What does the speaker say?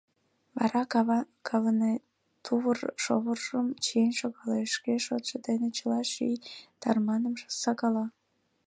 Вара кавыне тувыр-шовыржым чиен шогалеш, шке шотшо дене чыла ший тарманым сакала.